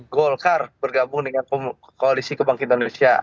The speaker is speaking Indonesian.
golkar bergabung dengan koalisi kebangkitan indonesia